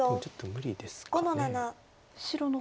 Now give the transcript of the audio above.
無理ですかね。